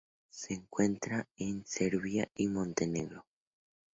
Se encuentra en Serbia y Montenegro.